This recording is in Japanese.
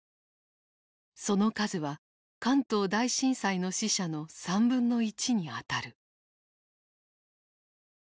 その数は関東大震災の死者の３分の１にあたる。